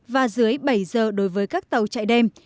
và dưới bảy giờ đối với các tàu chạy đêm